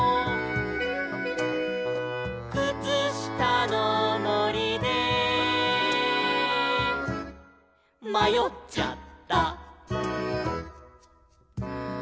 「くつしたのもりでまよっちゃった」